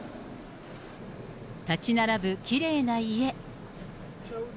建ち並ぶきれいな家。